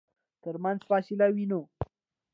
ترمنځ فاصله وينو.